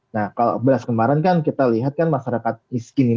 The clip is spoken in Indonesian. nah kalau beras kemarin kan kita lihat kan masyarakat miskin